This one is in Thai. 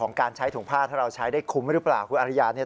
การใช้ถุงผ้าถ้าเราใช้ได้คุ้มหรือเปล่าคุณอริยาเนี่ย